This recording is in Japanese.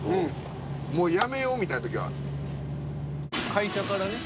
会社からね。